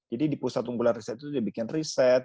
jadi di pusat unggulan riset itu dia bikin riset